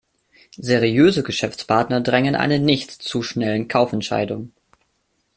Seriöse Geschäftspartner drängen einen nicht zu schnellen Kaufentscheidungen.